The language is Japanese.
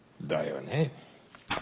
だよね。